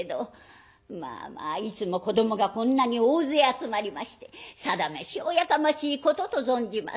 まあまあいつも子どもがこんなに大勢集まりましてさだめしおやかましいことと存じます」。